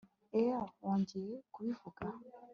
ees wongeye kubivuga